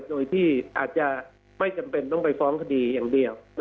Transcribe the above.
โดยที่อาจจะไม่จำเป็นต้องไปฟ้องคดีอย่างเดียว